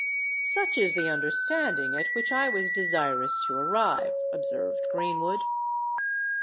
"Such is the understanding at which I was desirous to arrive," observed Greenwood.